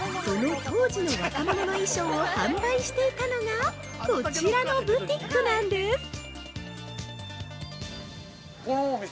その当時の若者の衣装を販売していたのがこちらのブティックなんです。